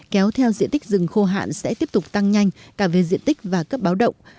kéo theo diện tích rừng khô hạn sẽ tiếp tục tăng nhanh cả về diện tích và cấp báo động